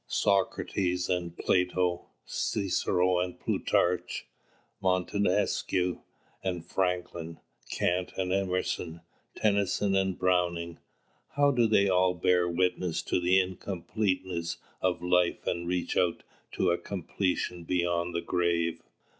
Socrates and Plato, Cicero and Plutarch, Montesquieu and Franklin, Kant and Emerson, Tennyson and Browning, how do they all bear witness to the incompleteness of life and reach out to a completion beyond the grave.